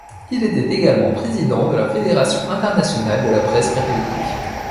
Il était également président de la Fédération internationale de la presse périodique.